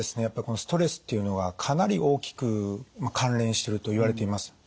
やっぱりこのストレスっていうのがかなり大きく関連しているといわれています。